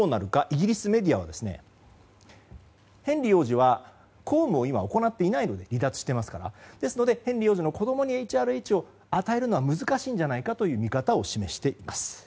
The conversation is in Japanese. イギリスメディアはヘンリー王子は離脱しているので公務を今、行っていないのでですのでヘンリー王子の子供にＨＲＨを与えるのは難しいんじゃないかという見方を示しています。